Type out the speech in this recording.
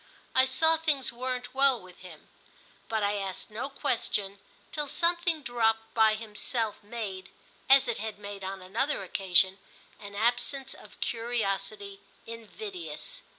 I saw things weren't well with him, but I asked no question till something dropped by himself made, as it had made on another occasion, an absence of curiosity invidious.